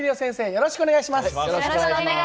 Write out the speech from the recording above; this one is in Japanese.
よろしくお願いします！